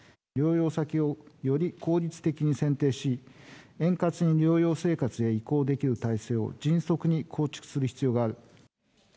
療養先を、より効率的に選定し、円滑に療養生活へ移行できる体制を迅速に構築する必要がある。